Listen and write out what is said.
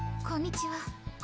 こんにちは